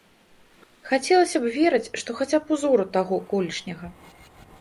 Хацелася б верыць, што хаця б узору таго колішняга.